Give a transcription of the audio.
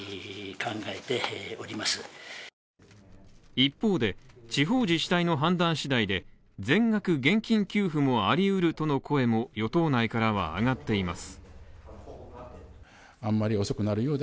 一方で、地方自治体の判断次第で、全額現金給付もありうるとの声も与党内からは上がっています。